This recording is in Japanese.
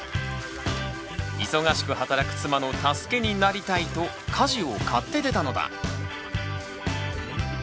忙しく働く妻の助けになりたいと家事を買って出たのだ。